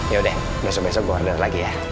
yaudah besok besok gua order lagi ya